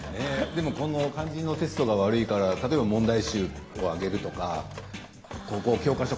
この漢字のテストが悪いから例えば問題集をあげるとか教科書